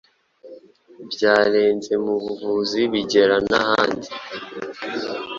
byarenze mu buvuzi bigera nahandi